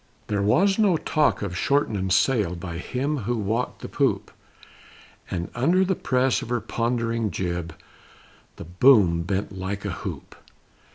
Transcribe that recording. There was no talk of short'ning sail by him who walked the poop, And under the press of her pond'ring jib, the boom bent like a hoop!